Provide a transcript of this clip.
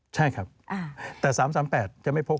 ใช่ครับแต่๓๓๘จะไม่พบ